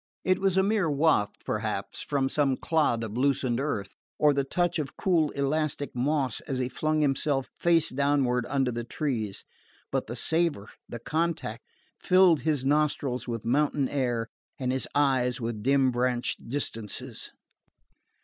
It was a mere waft, perhaps, from some clod of loosened earth, or the touch of cool elastic moss as he flung himself face downward under the trees; but the savour, the contact filled his nostrils with mountain air and his eyes with dim branched distances.